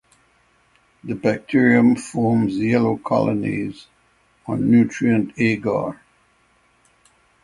The bacterium forms yellow colonies on nutrient agar.